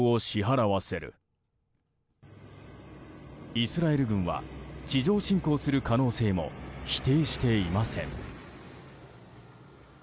イスラエル軍は地上侵攻する可能性も否定していません。